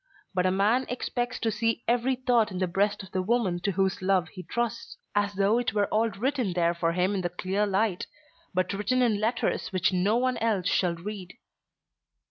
But a man expects to see every thought in the breast of the woman to whose love be trusts, as though it were all written there for him in the clear light, but written in letters which no one else shall read."